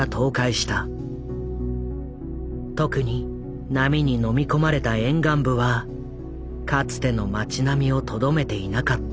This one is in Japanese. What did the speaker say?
特に波にのみ込まれた沿岸部はかつての町並みをとどめていなかった。